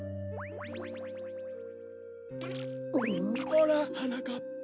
ほらはなかっぱ。